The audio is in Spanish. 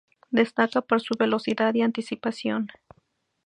Destaca por su velocidad y anticipación.